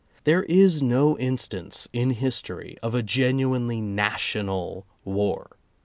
There is no instance in history of a genuinely national war.